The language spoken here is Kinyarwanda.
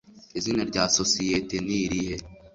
Izina rya sosiyeta n’irihe